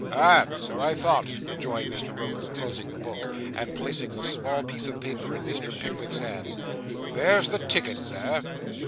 'Ah, so I thought,' rejoined Mr. Roker, closing the book, and placing the small piece of paper in Mr. Pickwick's hands. 'That's the ticket, sir.